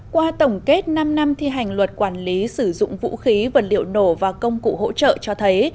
qua tổng kết năm năm thi hành luật quản lý sử dụng vũ khí vật liệu nổ và công cụ hỗ trợ cho thấy